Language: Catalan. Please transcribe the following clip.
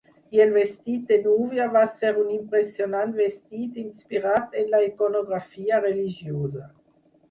I el vestit de núvia va ser un impressionant vestit inspirat en la iconografia religiosa.